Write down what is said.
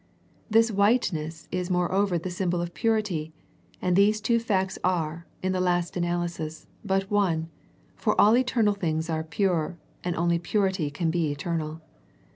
This whiteness is moreover the symbol of purity, and these two facts are, in the last analysis, but one, for all eternal things are pure, and only purity can be eternal.